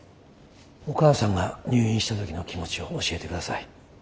お母さんが入院した時の気持ちを教えてください。